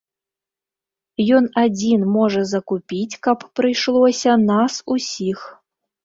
Ён адзін можа закупіць, каб прыйшлося, нас усіх.